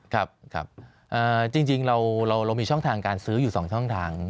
ครับจริงเรามีช่องทางการซื้ออยู่๒ช่องทาง